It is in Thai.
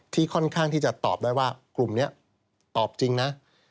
ค่อนข้างที่จะตอบได้ว่ากลุ่มนี้ตอบจริงนะ